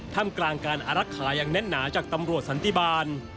ทำกลางการอารักษาอย่างแน่นหนาจากตำรวจสันติบาล